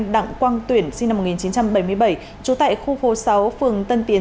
đặng quang tuyển sinh năm một nghìn chín trăm bảy mươi bảy trú tại khu phố sáu phường tân tiến